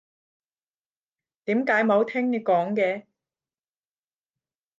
點解冇聽你講嘅？